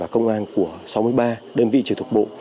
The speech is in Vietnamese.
của sáu mươi ba đơn vị trực thuật bộ